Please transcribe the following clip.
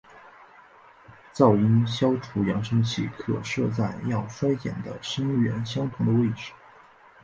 噪音消除扬声器可设在要衰减的声源相同的位置。